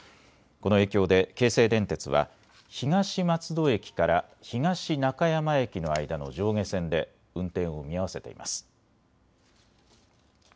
この影響で京成電鉄は東松戸駅から東中山駅の間の上下線で運転を見合わせています。